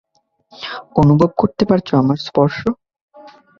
অনুভব করতে পারছ আমার স্পর্শ?